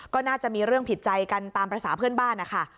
ก็น่าจะมีเรื่องผิดใจกันตามภาษาเพื่อนบ้านนะคะ